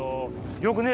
よくね。